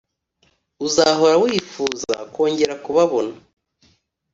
Uzahora wifuza kongera kubabona,